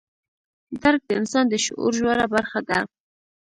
درک د انسان د شعور ژوره برخه ده.